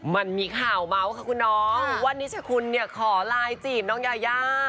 มันมีข่าวเมาส์ค่ะคุณน้องว่านิชคุณเนี่ยขอไลน์จีบน้องยายา